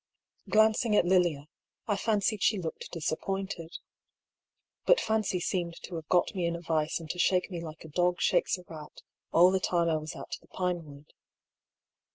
Glancing at Lilia, I fancied she looked disappointed. But Fancy seemed to have got me in a vice and to shake me like a dog shakes a rat, all the time I was at the Pinewood.